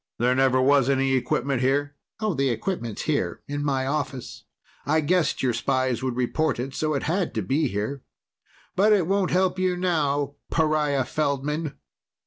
There never was any equipment here?" "The equipment's here in my office. I guessed your spies would report it, so it had to be here. But it won't help you now, pariah Feldman!"